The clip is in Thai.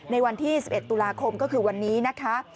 ในวันที่๑๑ตุลาคมก็คือวันนี้นะคะ